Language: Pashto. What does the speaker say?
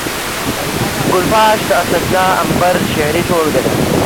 ګل پاش د اسدالله امبر شعري ټولګه ده